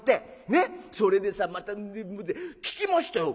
ねっそれでさまた『聞きましたよ